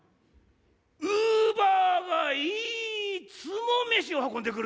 「うば」が「いつ」も飯を運んでくると。